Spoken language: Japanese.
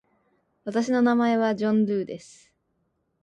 私の名前はジョン・ドゥーです。